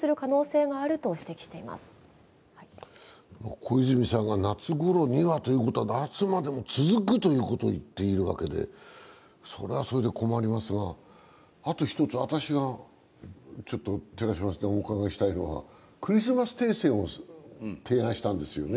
小泉さんが夏頃にはということは、夏までも続くということを言っているわけで、それはそれで困りますが、あと１つ、私が寺島さんにお伺いしたいのは、クリスマス停戦を提案したんですよね。